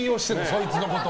そいつのこと。